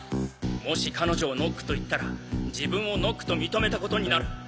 もし彼女をノックと言ったら自分をノックと認めたことになる。